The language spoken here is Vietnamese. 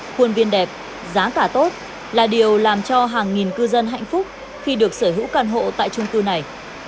khuôn viên đẹp giá cả tốt là điều làm cho hàng nghìn cư dân hạnh phúc khi được sở hữu căn hộ tại trung cư này